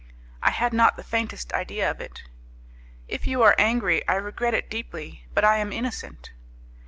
"I had not the faintest idea of it." "If you are angry, I regret it deeply, but I am innocent."